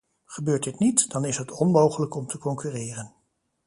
Gebeurt dit niet, dan is het onmogelijk om te concurreren.